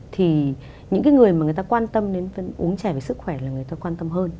thì những người mà người ta quan tâm đến uống trè với sức khỏe là người ta quan tâm hơn